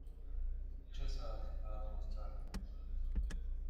چه ساعتی پرواز ترک می کند؟